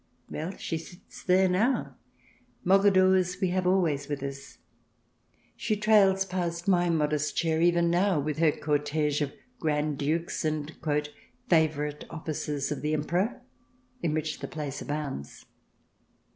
Well, she sits there now. Mogadors we have always with us. She trails past my modeet chair even now with her cortege of Grand Dukes and "favourite officers of the Emperor," in which the place abounds.